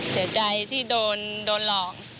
เสียใจที่โดนหลอก